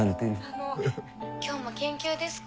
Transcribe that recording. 「今日も研究ですか？